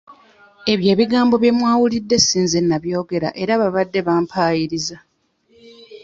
Ebyo ebigambo bye mwawulidde si nze nnabyogera era baabadde bampaayiriza.